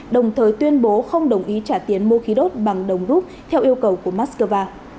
đồng thời tuyên bố không đồng ý trả tiền mua khí đốt bằng đồng rút theo yêu cầu của moscow